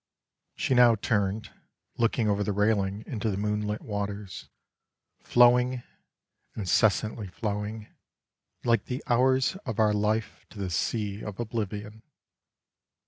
She now turned, looking over the railing into the moonlit waters, flowing, incessantly flowing, like the hours of our life to the sea of oblivion.